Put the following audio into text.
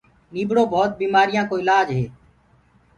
نيٚڀڙو ڀوت بيمآريآن ڪو اِلآج هي